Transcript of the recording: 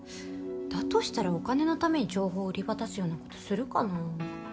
だとしたらお金のために情報を売り渡すようなことするかなぁ。